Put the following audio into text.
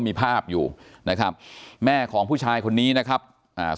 มีภาพอยู่นะครับแม่ของผู้ชายคนนี้นะครับอ่า